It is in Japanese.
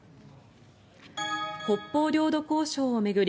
北方領土交渉を巡り